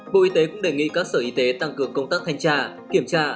bộ y tế cũng đề nghị các sở y tế tăng cường công tác thanh tra kiểm tra